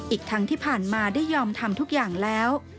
อีกทั้งที่ผ่านมาได้ยอมทำทุกอย่างแล้ว